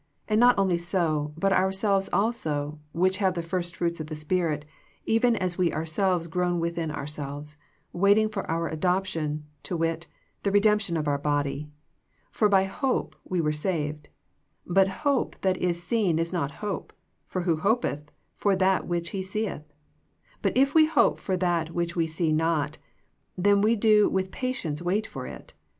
And not only so, but ourselves also, which have the first fruits of the Spirit, even we ourselves groan within ourselves, waiting for our adoption, to wit, the i edemption of our body. For by hope we were saved ; but hope that is seen is not hope : for who hopeth for that which he seeih ? But if we hope for that which we see not, then do we with patience wait for it.